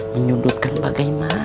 menyudutkan bagaimana idan